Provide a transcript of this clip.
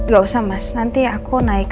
gak usah mas nanti aku naik